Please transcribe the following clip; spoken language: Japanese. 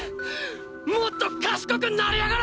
もっと賢くなりやがれ！！